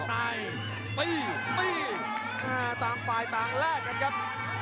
ล๊อคไนตี้ตี้ตี้ตามฝ่ายต่างแลกกันครับ